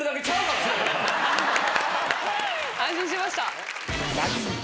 安心しました。